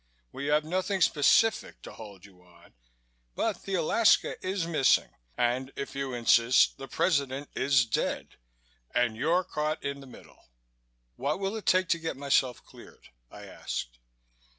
We have nothing specific to hold you on, but the Alaska is missing and, if you insist, the President is dead, and you're caught in the middle." "What will it take to get myself cleared?" I asked.